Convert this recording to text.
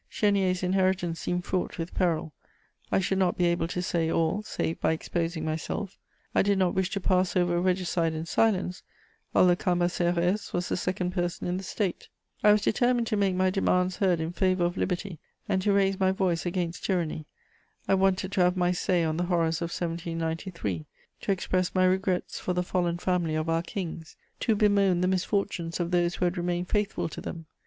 Chénier's inheritance seemed fraught with peril; I should not be able to say all, save by exposing myself; I did not wish to pass over regicide in silence, although Cambacérès was the second person in the State; I was determined to make my demands heard in favour of liberty and to raise my voice against tyranny; I wanted to have my say on the horrors of 1793, to express my regrets for the fallen family of our kings, to bemoan the misfortunes of those who had remained faithful to them.